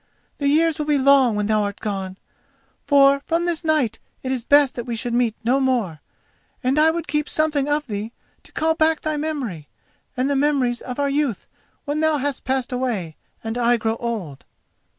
The years will be long when thou art gone, for from this night it is best that we should meet no more, and I would keep something of thee to call back thy memory and the memories of our youth when thou hast passed away and I grow old."